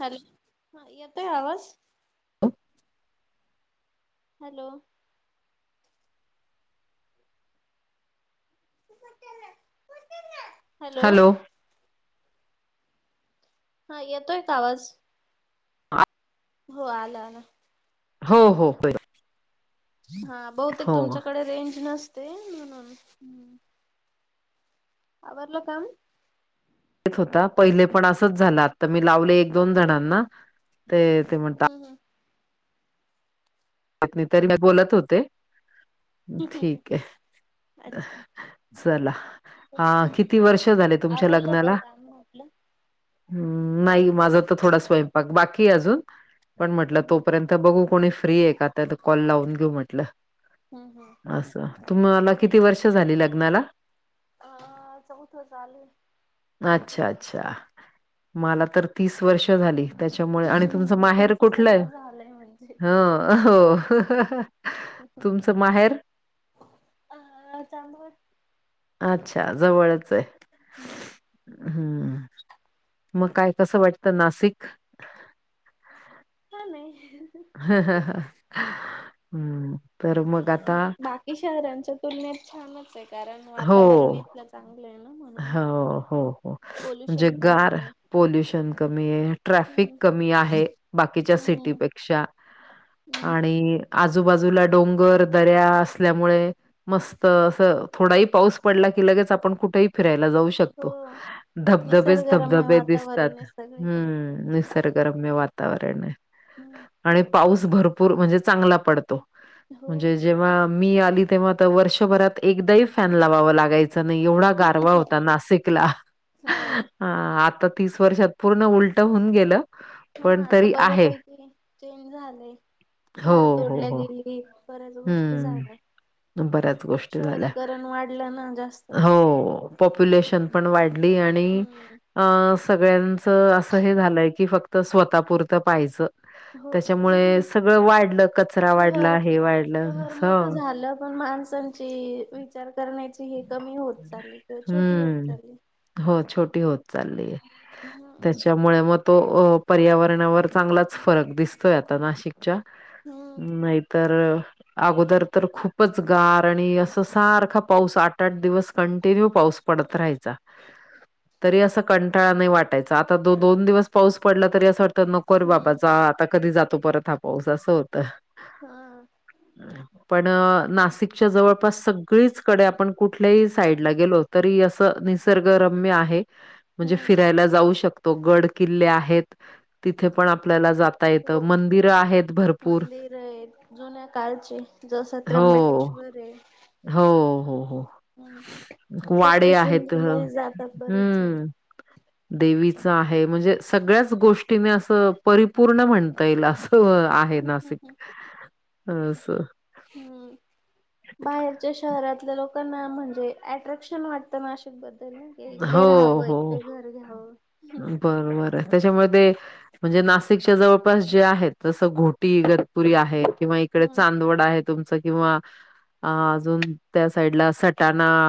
Hello हा येतोय आवाज.... अ... हॅलो.... हॅलो... हा येतोय का आवाज.... आ- हो आला आला..... हो हो बर... हा बहुतेक तुमच्याकडे रेंज नसते म्हणून.... आवरल काम... हो पहिले पण असच झाला आ मी लावले एक दोन जणांना ते म्ह... ह... तरी म बोलत होते हम्म ठीक आहे अच्छा चला हा किती वर्ष झाले तुमच्या लग्नाला... मग.... ह् नाही माझा तर थोडा स्वयंपाक बाकी अजून पण म्हटलं हम्म हम्म तोपर्यंत... आता बघू कोणी फ्री आहे का आता कॉल लावून घेऊ म्हटलं... हम् हम.... असं तुम्हाला किती वर्ष झाली लग्नाला.... आ चौथं चालू. अच्छा अच्छा! मला तर तीस वर्ष झाली. त्याच्यामुळे आणि तुमचं माहेर कुठलंय? सगळं झालंय म्हणजे ह. हो, तुमचं माहेर. अ चांदोबा अच्छा! जवळच आहे. हम्म, हम्म, मग काय कसं वाटतं नासीक? छान हाय. हम्म, बर मग. आता बाकी शहरांच्या तुलनेत छानच आहे कारण वातावरण एक हो हो हो, म्हणजे पोल्युशन कमी गार आहे. पॉोल्युशन कमी. ट्रॅफिक हम्म कमी आहे, बाकीच्या हम्म सिटीपेक्षा, हम्म आणि आजूबाजूला डोंगर दऱ्या असल्यामुळे. मस्त असं थोडाही पाऊस पडला की लगेच आपण कुठेही फिरायला जाऊ शक हो. शकतो, धबधबेच निसर्गरम्य धबधबे वातावरण दिसतात्, आहे सगळीकडे. हम्म निस सरगरम्य वातावरण हाय. हा. आणि पाऊस भरपूर म्हणजे चांगला पडतो, हो. म्हणजे जेव्हा मी आली तेव्हा तर वर्षभरात एकदाहि फॅन लावाव लागयचं नाही एवढा गार गारवा होता नाशिकला, हो आता तीस वर्षात पूर्ण उलट होऊन गेलं. हा पण आता तरी आहे. बऱ्यापैकी चेंज झालंय, हो, झाड हो, तोडल्या हो. गेली. बऱ्याच गोष्टी हम्म, झालंय. बऱ्याच गोष्टी झाल्या, वाढलं ना जास्त. हो. पॉप्युलेशन पण वाढली आणि, हम्म आ सगळ्यान च अस हे झालंय की फक्त स्वतःपुरतं पाहायचं. हो त्याच्यामुळे सगळं वाढलं कचरा शहर वाढला हे वाढ शहर मोठं झालं पण माणसांची विचार करण्याची कमी होत चालली किंवा छोटी होत हम्म. चालली. हो छोटी होत चाललीय, हम्म त्याच्या त्यामुळे म तो पर्यावरणावर चांगलाच फरक दिसतोय आता नाशिकच्या. हो. नाहीतर, अगोदर तर खूपच गार आणि अस सारखा पाऊस आठ आठ दिवस कंटिन्यू पाऊस पडत राहायचा. तरी असा कंटाळा नाही वाटायचा आता दो दोन दिवस पाऊस पडला तरी असं वाटत न नको रे बाबा हम्म जा आता कधी जातो परत हा पाऊस असं होतं. हा. पण नासीकच्या जवळपास सगळीच कडे आपण कुठल्याही साईड ला गेलो तरी अस निसर्गरम्य आहे. म्हणजे हम्म फिरायला जाऊ शकतो गड किल्ले आहेत. तिथे पण आपल्याला जाता. येत हो मंदिर आहेत. भरपूर मंदिर आहेत जुन्या काळचे जसं हो. त्र्यंबकेश्वर आहे. हो हो हो, हम्म वाडे आहेत, सप्तशृंगीला जातात बरेच जण. हम्म. [inaudible] देवीच आहे म्हणजे सगळ्याच गोष्टीने असं परिपूर्ण म्हणता येईल असं आहे. नासिक, अस. हम्म बाहेरच्या शहरातल्या लोकांना म्हणजे अट्रॅक्शन वाटतं नाशिक बद्द ना इकडे हो, राहावं इकडे घर घ्यावं बरबर आहे त्याच्यामध्ये म्हणजे नाशिकच्या जवळपास जे आहेत तसं घोटीगतपुरी आहे किंवा इकडे हम्म चांदवड आहेत तुमच किंवा अजून त्या साईडला सटाणा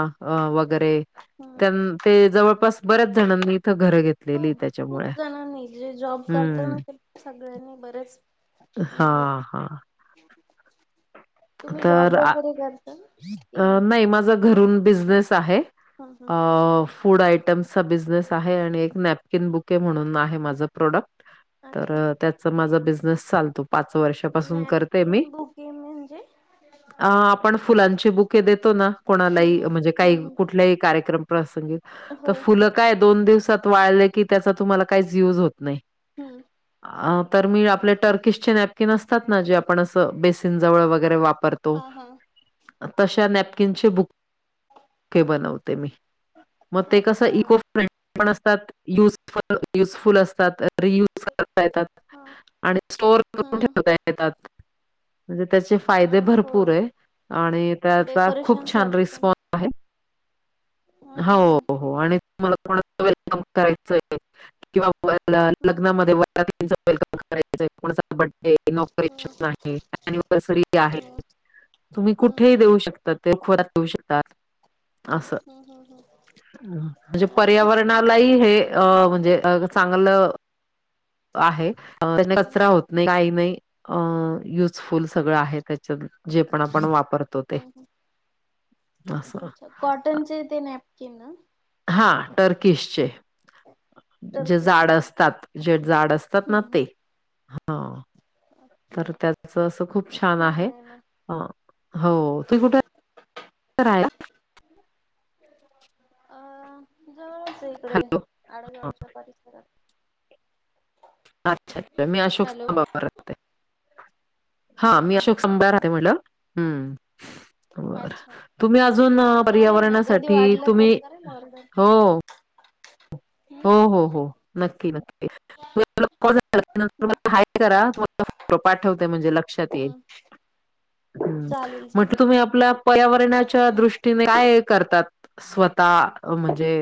वगैरे हम्म त्यां ते जवळपास बऱ्याच जणांनी इथं घर घेत हो खूप जणांनी जे जॉब करत ना हं. ते सगळ्यांनी बरेच हा म्हणजे हा. तुम्ही तर जॉब आ वगैरे करता, कि अ नाही. माझा घरून बिझनेस आहे. हम्म हम्म अ फूड आयटम्सचा बिझनेस आहे आणि एक नॅपकिन बुके म्हणून आहे माझं प्रोडक्ट तर अच्छा त्याचा माझा बिझनेस चालतो. पाच वर्षापासून करते मी गेम म्हणजे ह आपण फुलांची बुके देतो ना कोणाला हम्म म्हणजे हम्म काही हम्म कुठल्या कार्यक्रम प्रसंगी हो फुलं काय दोन दिवसात वा की त्याचा तुम्हाला काही युज होत नाही. हम्म तर मी आपले टर्किशचे नॅपकिन असतात. ना जे आपण अस बेसन बेसिन जवळ वगैरे वापरतो हा हा तशा नॅपकिन चे बुके बनते मी मग ते कस अच्छा इको पण असतात युजफुल असतात ता येतात हा आणि स्टोर करून हम्म ठेवता येतात म्हणजे त्याचे अ फायदे हो भरपूर आहे आणि त्याचा डेकोरेशन खूप छान साठी पण रिस्पॉन् हम्म हम्म हो हो आणि तुमला थड वेलकम करायचं आहे [inaudible] किंवा हम्म लग्नामध्ये व वेलकम करायच कोणा [inaudible] हम्म नॉेशन आहे अनिव्हर्सरी आहे तुम्ही हम्म कुठेही देऊ शकतात ते खोर देऊ शकतात. असं हम्म हम्म हम्म हम्म हम्म. म्हणजे अरे वा छान पर्यावरणालाही हे अ आणि- म्हणजे चांगलं आहे हम्म कचरा होत नाही काही नाही. अ युजफुल सगळं आहे त्याच्या जे पण आपण वापरतो ते हम्म असं अच्छा कॉटनचे ते नॅपकिन ना? हा टर्कीसचे जे जाड टर्किसचे हम्म असतात जे जाड असतात ना ते हम्म ह ओके तर त्याच अस खूप छान आहे हो त तरय अ जवळच आहे इकडे हॅलो आडेगावच्या परिसरात अच्छा अच्छा मी अशोक हॅलो स्तंभावर राहते हा हम्म मी हम्म अशोक स्तंभावर राहते म्हटलं हम्म बर अच्छा तुम्ही अजून चालेल ना कधी पर्यावरणासाठी वाटलं तर तुम्ही करेल ऑर्डर हो हो हो हो नक्की नक्की ह तुम्हाला हाय करा तुला फ पाठवते म्हणजे लक्षात येईल हम्म ह् चालेल म्हटलं चालेल तुम्ही आपल्या पर्यावरणाच्या दृष्टीने काय करतात स्वतः अ म्हणजे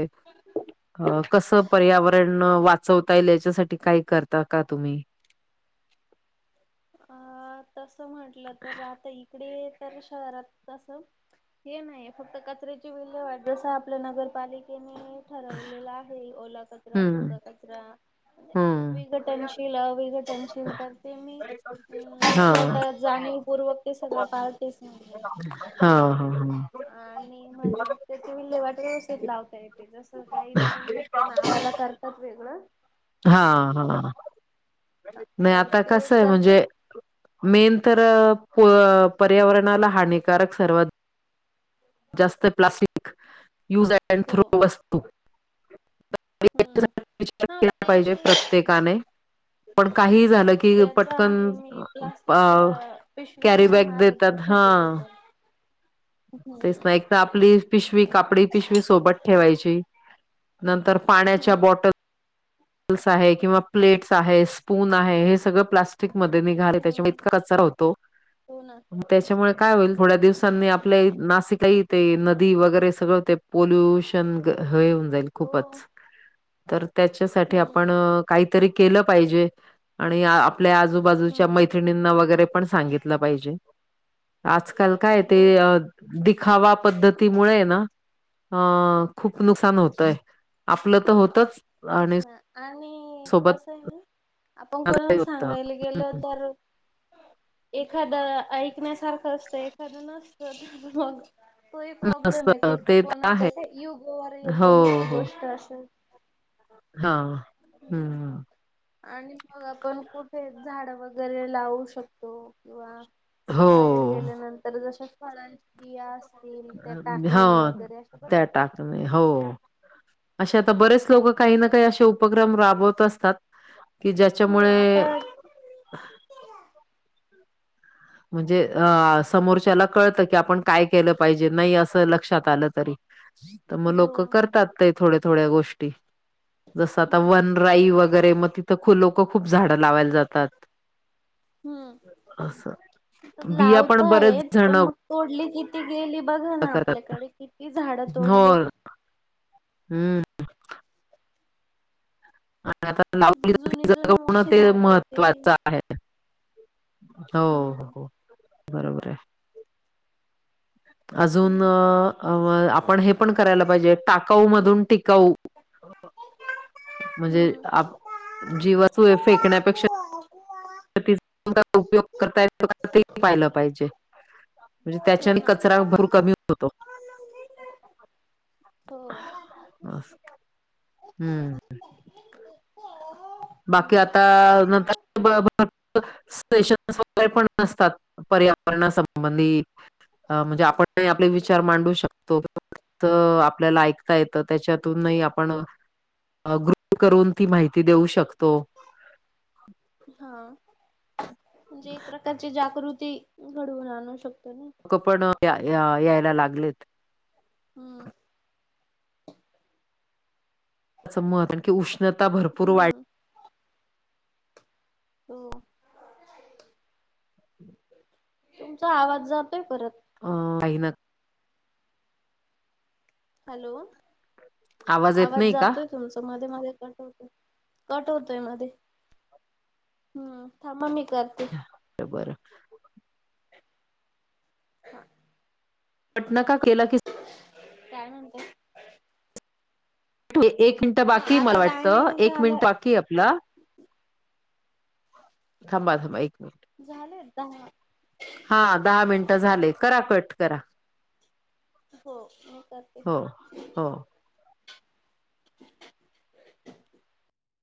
अ पर्यावरण वाचवता येईल याच्यासाठी काय करता का तुम्ही अ तसं म्हटलं तर आता इकडे शहरात तस हे नाहीे फक्त कचऱ्याची विल्य वाट जस आपल्या नगरपालिके ते मी ठरवलेला आहे ओला कचरा हम्म सुका कचरा हम्म विघटनशील अ विघटनशील तर ते मी अ हा स्वतः जाणीवपूर्वक ते सगळं पाळतेच नाहीये. हा हा हा. आणि म्हणजे मग तेथ विल्लेहेवाट व्यवस्थित लावता यथे जस काही हा जण फक्त तर नावाला करतात वेगळं. हा हा, नाही तर आता ते कस आहे करते म्हणजे मेन तर पर्यावरणाला हानिकारक सर्वात जास्त प्लास्टिक यूज अ हो थ्रो वस्तू च्या हम्म विचार हा केला ते पाहिजे मी प्रत्येकाने पण काही झालं की त्याचा पटकन आहे मी प्लास्टिक पिशव्या कॅरी नाही बॅग मागत देत कुठे गेली तर [inaudible] तेच हम्म ना एक तर आपली पिशवी कापडी पिशवी सोबत ठेवायची, नंतर पाण्याच्या हम्म बॉटलस आहे किंवा प्लेट्स आहे. पून आहे हे सगळं प्लास्टिक मध्ये निघाले त्याच्या हम्म इतका कचरा होतो. हो ना त्याच्यामुळे काय होईल थोड्या दिवसांनी आपल्या नाशिकाही ते नदी वगैरे सगळं ते पोल्युशन हेऊन जाईल हो खूपच, तर त्याच्यासाठी हम्म आपण काहीतरी केलं पाहिजे आणि आपल्या आजूबाजूच्या हम्म मैत्रि निंना वगैरे पण सांगितलं पाहिजे, आजकाल काय हो ते दिखावा पद्धतीमुळे ना, अ खूप नुकसान होतय. आपलं त होतच. तेच आणि ना आणि सोबत कसं आहे ना आपण कोणा होत. सांगायला गेल तर, एखादं ऐकण्यासारखं असतं एखादं नस [unintelligible] पही प्रॉब्लेम नसत आहे क ते तर कोणाच्या आहे का युग व येत हो न ती हो. गोष्ट असं. हा, हम्म. आणि मग आपण कुठे झाड वगैरे लावू शकतो किंवा हो बाहेर गेल्यानंतर जश फळांची [unintelligible] हा, त्या गोष्टी टाकणे हो. अशे आता हम्म बरेच लोक काही ना काही असे उपक्रम राबवत असतात की हो ज्याच्यामुळे आता म्हणजे अ समोरच्याला कळतं की आपण काय केलं पाहिजे नाही असं लक्षात आलं तरी. तर मग हो लोक करतात ते थोड्या-थोड्या गोष्टी, जस आता हम्म वन ड्राई वगैरे मग तर खू लोक खूप झाडं लावायला जातात, अस. तर लावता आहेत पण मग तोडली किती गेली बघा ना करतात आपल्याकडे किती झाडं हो तोडलीत. हम्म. जी जुनी जुनी मोठी [unintelligible] झाडं होती ती महत्त्वाचं आहे. हो हम्म हो, बरोबर आहे. अजून हम्म. आपण हे पण करायला पाहिजे टाकाऊ मधून टिकाऊ. म्हणजे आप, हम्म. जीवासय फेकण्यापेक्षा [unintelligible] पाहिला पाहिजे म्हणजे त्याच्या हो ना. कचरा भर कमी होतो. हम्म. हो. बाकी हम्म आता [unintelligible] पर्यावरणासंबंधी, म्हणजे आपण नाही आपले विचार मांडू शकतो. तर आपल्याला ऐकता येतं त्याच्यातूनही आपण ग्रुप करून ती माहिती देऊ शकतो. हा, म्हणजे एक प्रकारची जागृती घडवून आणू शकतो ना. लोकं पण या या यायला लागलेत. हम्म. मती उष्णता भरपूर वाढ हम्म हो तुमचा आवाज जातोय परत. ह पहिन हॅलो, येत आवाज नाही का? जातोय. तुमच मध्ये-मध्ये कट होतय, कट होतय मध्ये. हम्म थांबा मी करते. बर. हा. पटना का केला कि, काय म्हणत? एक मिनिट हा बाकी आता मला वाटतं टायमिंग एक झाला मिनिट बाकी आपला थांबा थांबा एक म झाले दहा, हा दहा मिनटं झाले करा कट करा. हो हो करते. हो, हो [inaudible]